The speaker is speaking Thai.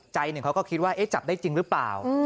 ใจหนึ่งเขาก็คิดว่าจับได้จริงหรือเปล่า